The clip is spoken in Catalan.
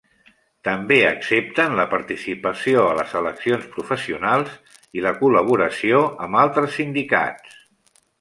També accepten la participació a les eleccions professionals i la col·laboració amb altres sindicats.